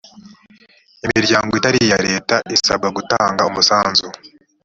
imiryango itari iya leta isabwa gutanga umusanzu.